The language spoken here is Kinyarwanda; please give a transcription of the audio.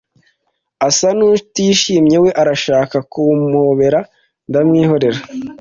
asa nutishimye we arashaka ku mpobera ndamwihorera